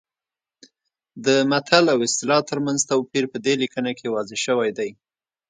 د متل او اصطلاح ترمنځ توپیر په دې لیکنه کې واضح شوی دی